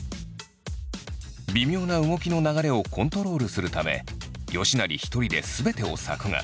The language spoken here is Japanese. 微妙な動きの流れをコントロールするため吉成一人ですべてを作画。